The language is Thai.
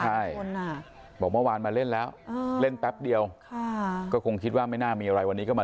แล้วน้องอีกคนหนึ่งจะขึ้นปรากฏว่าต้องมาจมน้ำเสียชีวิตทั้งคู่